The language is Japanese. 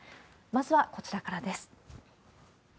まずはこちらからです。